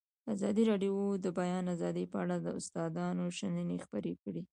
ازادي راډیو د د بیان آزادي په اړه د استادانو شننې خپرې کړي.